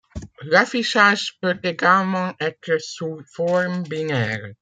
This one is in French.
L'affichage peut également être sous forme binaire.